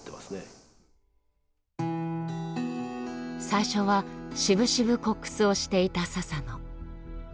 最初はしぶしぶコックスをしていた佐々野。